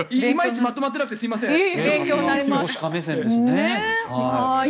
いまいちまとまってなくてすみません。